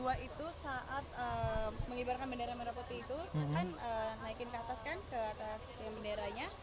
kedua itu saat mengibarkan bendera merah putih itu kan naikin ke atas kan ke atas benderanya